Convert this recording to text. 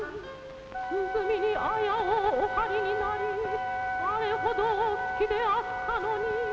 「鼓に綾をお張りになりあれほどお好きであったのに」